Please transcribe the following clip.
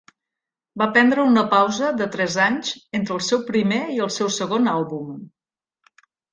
Va prendre una pausa de tres anys entre el seu primer i el seu segon àlbum.